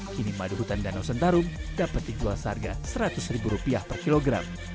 kini madu hutan danau sentarung dapat dijual seharga seratus ribu rupiah per kilogram